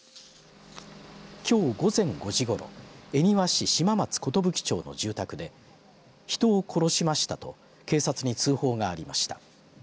きょう午前５時ごろ恵庭市島松寿町の住宅で人を殺しましたと警察に通報がありました。